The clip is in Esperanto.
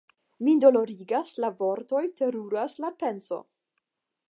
Min dolorigas la vortoj, teruras la penso!